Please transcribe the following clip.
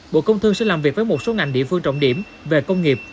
bộ công thương sẽ làm việc với một số ngành địa phương trọng điểm về công nghiệp